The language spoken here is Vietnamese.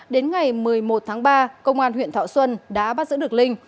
đến ngày một mươi một tháng ba công an huyện thọ xuân đã bắt giữ được linh